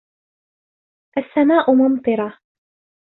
السَّمَاءُ مُمْطِرَةٌ.